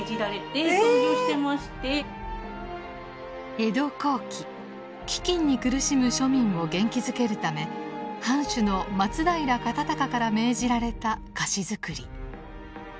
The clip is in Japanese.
江戸後期飢饉に苦しむ庶民を元気づけるため藩主の松平容敬から命じられた菓子作り。